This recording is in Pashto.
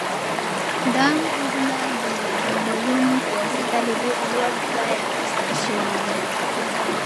دا انځورونه د ډرون په واسطه له ډېر لوړ ځایه اخیستل شوي دي.